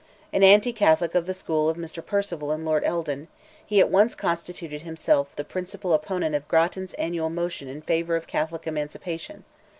An anti Catholic of the school of Mr. Perceval and Lord Eldon, he at once constituted himself the principal opponent of Grattan's annual motion in favour of Catholic Emancipation.